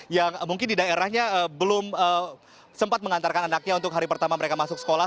yang mungkin di daerahnya belum sempat mengantarkan anaknya untuk hari pertama mereka masuk sekolah